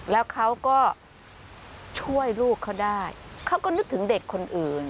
แล้วเขาก็ช่วยลูกเขาได้เขาก็นึกถึงเด็กคนอื่น